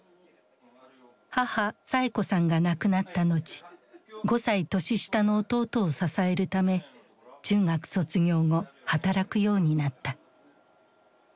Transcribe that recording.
母・サエ子さんが亡くなった後５歳年下の弟を支えるため中学卒業後働くようになった。